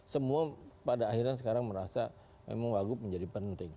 semua pada akhirnya sekarang merasa memang wagub menjadi penting